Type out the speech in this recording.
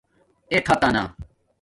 اختݳنہ